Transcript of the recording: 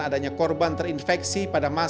adanya korban terinfeksi pada masa